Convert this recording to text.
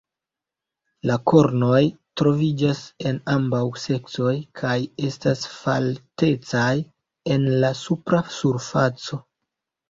La kornoj troviĝas en ambaŭ seksoj kaj estas faltecaj en la supra surfaco.